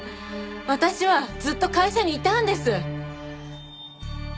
私はずっと会社にいたんです。